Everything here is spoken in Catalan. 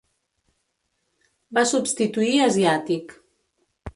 Va substituir Asiàtic.